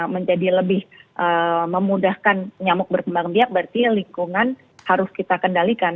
menjadi lebih memudahkan nyamuk berkembang biak berarti lingkungan harus kita kendalikan